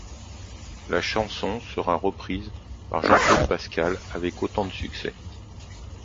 La chanson sera reprise par Jean-Claude Pascal avec autant de succès.